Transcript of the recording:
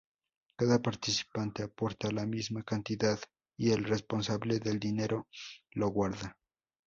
Cada participante aporta la misma cantidad y el responsable del dinero lo guarda.